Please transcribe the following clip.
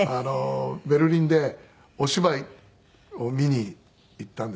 ベルリンでお芝居を見に行ったんですね。